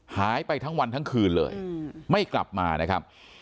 หายไปทั้งวันทั้งคืนเลยไม่กลับมานะครับ